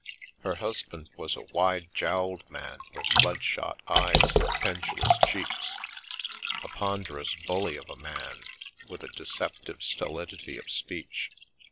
Her husband was a wide jowled man with bloodshot eyes and pendu lous cheeks ; a ponderous bully of a man, with a deceptive stolidity of speech.